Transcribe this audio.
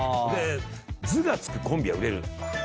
「ず」が付くコンビは売れる。